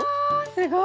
すごい。